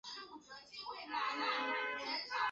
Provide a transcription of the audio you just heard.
黑金的球员生涯始于威斯特伐利亚索斯特。